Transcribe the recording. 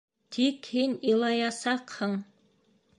Тик һин илаясаҡһың!